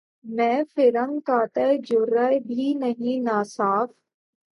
مے فرنگ کا تہ جرعہ بھی نہیں ناصاف